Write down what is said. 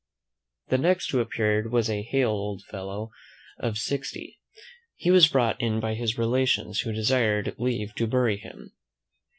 The next who appeared was a hale old fellow of sixty. He was brought in by his relations, who desired leave to bury him.